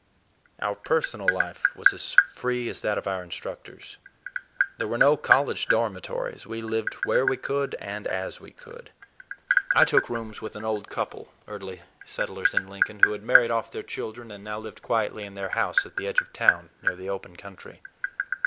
Our personal life was as free as that of our instructors. There were no college dormitories; we lived where we could and as we could. I took rooms with an old couple, early settlers in Lincoln, who had married off their children and now lived quietly in their house at the edge of town, near the open country.